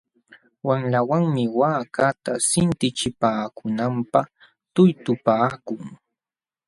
Waqlawanmi waakata sintachipaakunanpaq tuytupaakun.